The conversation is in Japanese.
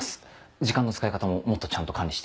時間の使い方ももっとちゃんと管理して。